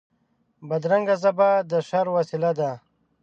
بدرنګه ژبه د شر وسیله ده